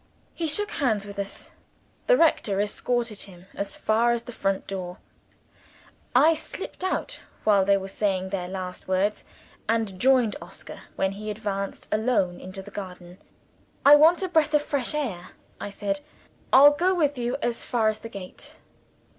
He shook hands with us. The rector escorted him as far as the front door. I slipped out while they were saying their last words, and joined Oscar, when he advanced alone into the garden. "I want a breath of fresh air," I said. "I'll go with you as far as the gate."